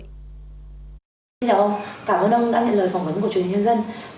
xin chào ông cảm ơn ông đã nhận lời phỏng vấn của truyền hình nhân dân